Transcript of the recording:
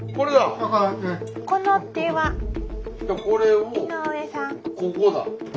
これをここだ。